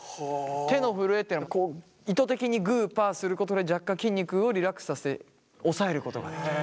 手の震えっていうのは意図的にグーパーすることで若干筋肉をリラックスさせて抑えることができる。